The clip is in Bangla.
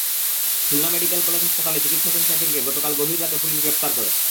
খুলনা মেডিকেল কলেজ হাসপাতালে চিকিত্সাধীন শাকিরকে গতকাল গভীর রাতে পুলিশ গ্রেপ্তার করে।